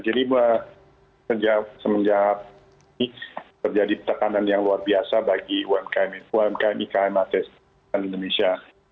jadi semenjak ini terjadi tekanan yang luar biasa bagi umkm ikm ats indonesia